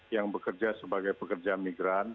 yang bekerja sebagai pekerja migran